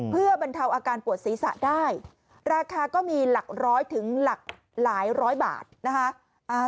เพื่อบรรเทาอาการปวดศีรษะได้ราคาก็มีหลักร้อยถึงหลักหลายร้อยบาทนะคะ